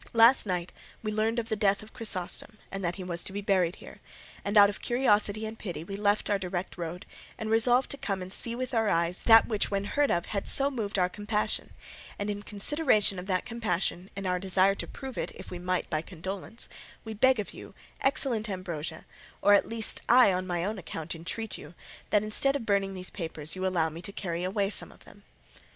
Last night we learned the death of Chrysostom and that he was to be buried here, and out of curiosity and pity we left our direct road and resolved to come and see with our eyes that which when heard of had so moved our compassion, and in consideration of that compassion and our desire to prove it if we might by condolence, we beg of you, excellent Ambrosio, or at least I on my own account entreat you, that instead of burning those papers you allow me to carry away some of them."